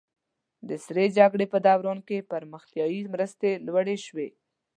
د سړې جګړې په دوران کې پرمختیایي مرستې لوړې شوې.